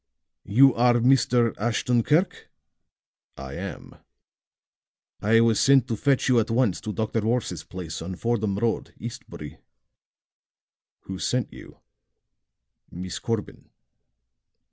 "You are Mr. Ashton Kirk?" "I am." "I was sent to fetch you at once to Dr. Morse's place on Fordham Road, Eastbury." "Who sent you?" "Miss Corbin."